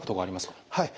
はい。